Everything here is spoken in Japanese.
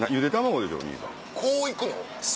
こういくの？